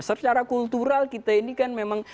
secara kultural kita ini kan memang